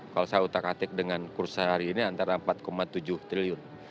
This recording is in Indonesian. kalau saya utak atik dengan kursa hari ini antara empat tujuh triliun